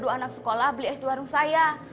dua anak sekolah beli es di warung saya